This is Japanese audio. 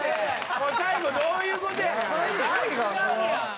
もう最後どういう事やねんあれ。